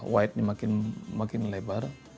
wide ini makin lebar